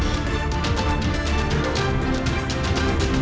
saya budha diputro salam malam